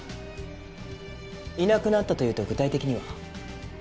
いなくなったというと具体的には？